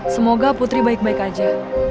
semoga putri baik baik aja